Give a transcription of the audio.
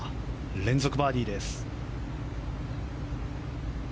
連続バーディーです。